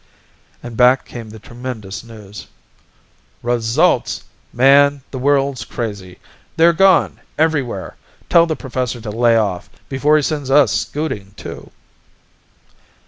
And back came the tremendous news: "Results! Man, the world's crazy! They're gone everywhere! Tell the professor to lay off, before he sends us scooting too."